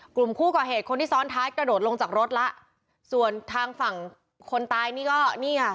กลุ่มผู้ก่อเหตุคนที่ซ้อนท้ายกระโดดลงจากรถแล้วส่วนทางฝั่งคนตายนี่ก็นี่ค่ะ